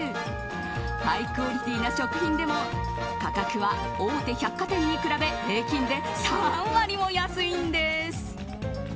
ハイクオリティーな食品でも価格は大手百貨店に比べ平均で３割も安いんです。